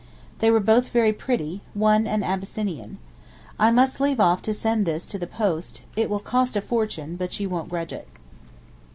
They were both very pretty, one an Abyssinian. I must leave off to send this to the post; it will cost a fortune, but you won't grudge it.